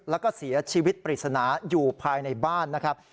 แล้วก็เสียชีวิตปริศนาอยู่ภายในบ้านนะครับ